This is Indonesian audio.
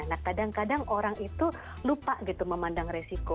nah kadang kadang orang itu lupa gitu memandang resiko